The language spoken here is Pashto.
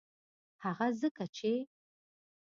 هغه ځکه چې